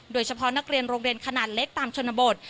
โดยเฉพาะนักเรียนโรงเรียนขนาดเล็กตามชนบท